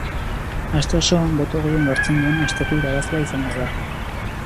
Aste osoan boto gehien lortzen duena asteko irabazlea izango da.